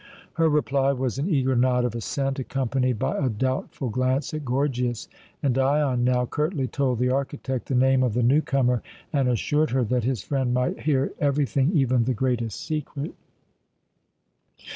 Her reply was an eager nod of assent, accompanied by a doubtful glance at Gorgias; and Dion now curtly told the architect the name of the newcomer, and assured her that his friend might hear everything, even the greatest secret.